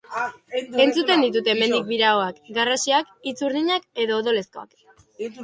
Entzuten ditut hemendik biraoak, garrasiak, hitz urdinak edo odolezkoak.